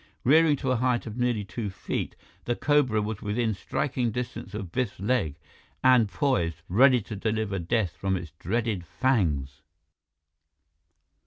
Rearing to a height of nearly two feet, the cobra was within striking distance of Biff's leg, and poised, ready to deliver death from its dreaded fangs!